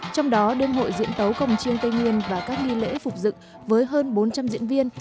trong đó đêm hội diễn tấu cổng trương tây nguyên và các nghi lễ phục dựng với hơn bốn trăm linh diễn viên